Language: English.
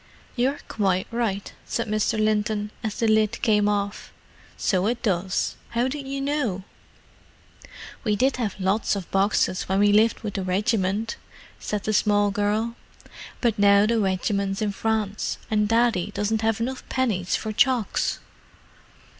"You're quite right," said Mr. Linton, as the lid came off. "So it does. How did you know?" "We did have lots of boxes when we lived with the wegiment," said the small girl; "but now the wegiment's in Fwance, and Daddy doesn't have enough pennies for chocs."